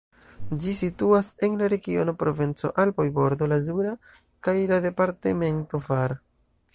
Ĝi situas en la regiono Provenco-Alpoj-Bordo Lazura kaj la departemento Var.